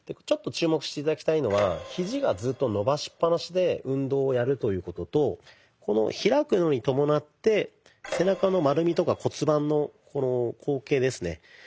ちょっと注目して頂きたいのはひじがずっと伸ばしっぱなしで運動をやるということとこの開くのに伴って背中の丸みとか骨盤のこの後傾ですね